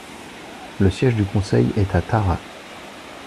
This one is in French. Le siège du conseil est à Tara.